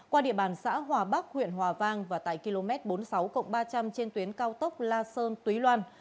qua địa bàn xã hòa bắc huyện hòa vang và tại km bốn mươi sáu ba trăm linh trên tuyến cao tốc la sơn túy loan